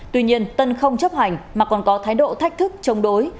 tuy nhiên tân không chấp hành mà còn có thái độ thách thức chống đối